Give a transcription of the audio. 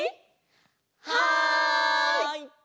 はい！